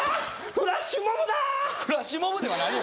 フラッシュモブではないよ